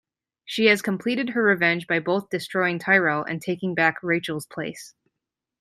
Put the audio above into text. She has completed her revenge by both destroying Tyrell, and taking back Rachael's place.